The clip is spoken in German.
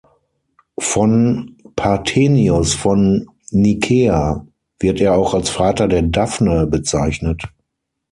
Von Parthenios von Nicaea wird er auch als Vater der Daphne bezeichnet.